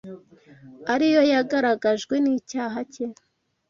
ari yo yagaragajwe n’icyaha cye